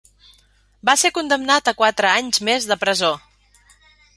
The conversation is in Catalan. Va ser condemnat a quatre anys més de presó.